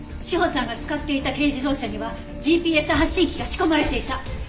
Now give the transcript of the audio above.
詩帆さんが使っていた軽自動車にはＧＰＳ発信機が仕込まれていた。